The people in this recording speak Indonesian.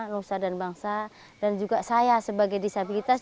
nusa dan bangsa dan juga saya sebagai disabilitas